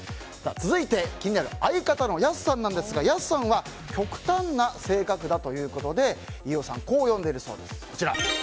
続いて気になる相方のやすさんですがやすさんは極端な性格ということで飯尾さんはこう呼んでいるそうです。